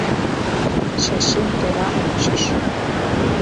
Чачим тура ончыш.